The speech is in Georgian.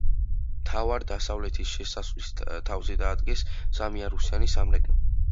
მთავარ, დასავლეთის შესასვლელის თავზე დაადგეს სამიარუსიანი სამრეკლო.